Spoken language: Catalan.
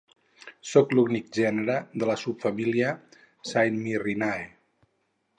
Són l'únic gènere de la subfamília "saimirinae".